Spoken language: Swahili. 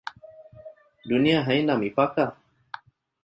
Dunia haina mipaka?